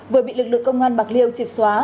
vừa bị lực lượng công an bạc liêu triệt xóa